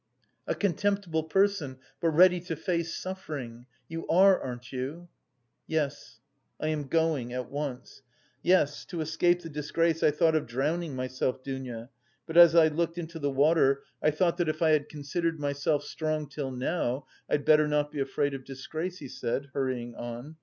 "A contemptible person, but ready to face suffering! You are, aren't you?" "Yes, I am going. At once. Yes, to escape the disgrace I thought of drowning myself, Dounia, but as I looked into the water, I thought that if I had considered myself strong till now I'd better not be afraid of disgrace," he said, hurrying on.